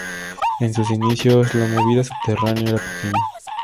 En sus inicios, la "movida subterránea" era pequeña.